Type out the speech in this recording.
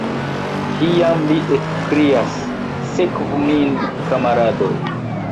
Kiam li ekkrias: "sekvu min, kamaradoj!"